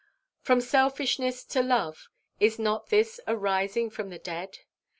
From selfishness to love is not this a rising from the dead?